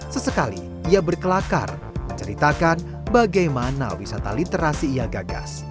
sesekali ia berkelakar menceritakan bagaimana wisata literasi ia gagas